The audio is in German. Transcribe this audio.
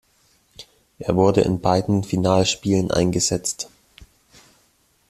Er wurde in beiden Finalspielen eingesetzt.